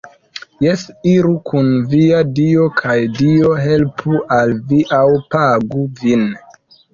Jes, iru kun via Dio kaj Dio helpu al vi aŭ pagu vin